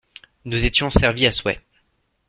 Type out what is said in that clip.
Nous étions servis à souhait.